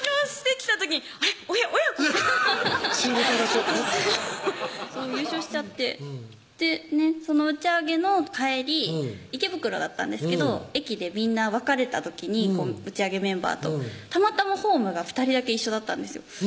しゃそう優勝しちゃってでその打ち上げの帰り池袋だったんですけど駅でみんな別れた時に打ち上げメンバーとたまたまホームが２人だけ一緒だったんですよ